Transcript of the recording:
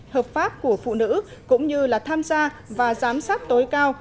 hợp pháp của phụ nữ cũng như là tham gia và giám sát tối cao